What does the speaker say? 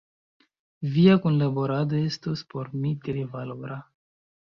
Via kunlaborado estos por mi tre valora.